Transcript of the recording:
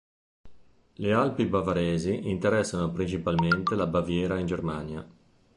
Le Alpi Bavaresi interessano principalmente la Baviera in Germania.